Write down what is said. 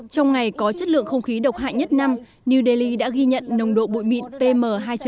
trong ngày có chất lượng không khí độc hại nhất năm new delhi đã ghi nhận nồng độ bụi mịn pm hai